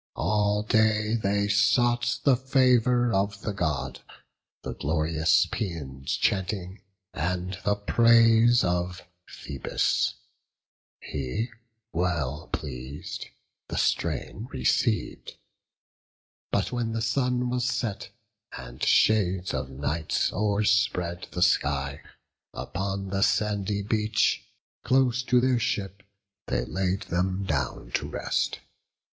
All day they sought the favour of the God, The glorious paeans chanting, and the praise Of Phoebus: he, well pleas'd, the strain receiv'd But when the sun was set, and shades of night O'erspread the sky, upon the sandy beach Close to their ship they laid them down to rest.